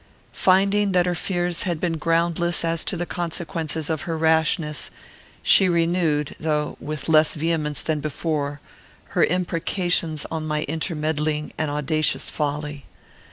Finding that her fears had been groundless as to the consequences of her rashness, she renewed, though with less vehemence than before, her imprecations on my intermeddling and audacious folly.